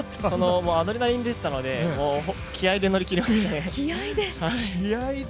アドレナリンが出ていたので、気合いで乗り切りました。